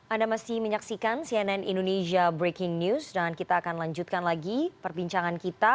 anda masih menyaksikan cnn indonesia breaking news dan kita akan lanjutkan lagi perbincangan kita